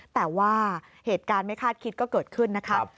แต่ว่าเหตุการณ์ไม่คาดคิดก็เกิดขึ้นนะครับ